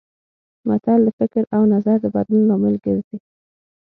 متل د فکر او نظر د بدلون لامل ګرځي